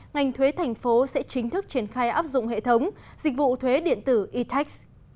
ngành thuế thành phố sẽ chính thức triển khai áp dụng hệ thống dịch vụ thuế điện tử etex